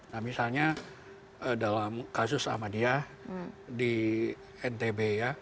nah misalnya dalam kasus ahmadiyah di ntb ya